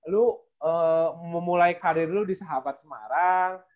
lu memulai karir lo di sahabat semarang